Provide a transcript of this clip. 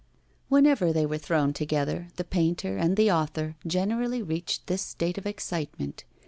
Whenever they were thrown together the painter and the author generally reached this state of excitement.